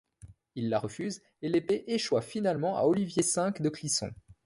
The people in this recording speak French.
Il la refuse et l'épée échoit finalement à Olivier V de Clisson.